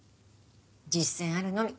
実践あるのみ。